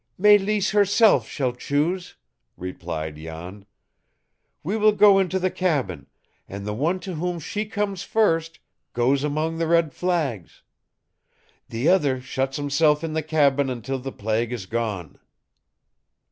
"Mélisse herself shall choose," replied Jan. "We will go into the cabin, and the one to whom she comes first goes among the red flags. The other shuts himself in the cabin until the plague is gone."